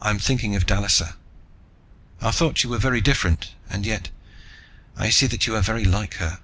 "I am thinking of Dallisa. I thought you were very different, and yet, I see that you are very like her."